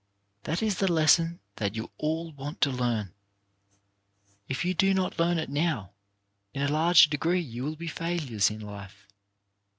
That is the lesson that you all want to learn. If you do not learn it now, in a large degree you will be failures in life.